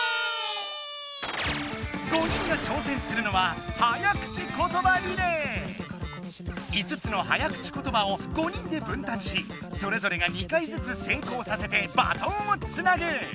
５人がちょうせんするのは５つの早口ことばを５人で分担しそれぞれが２回ずつ成功させてバトンをつなぐ。